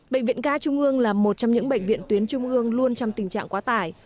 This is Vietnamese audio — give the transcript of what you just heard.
bệnh viện ca trung ương là một trong những bệnh viện tuyến trung ương luôn trong tình trạng quá tải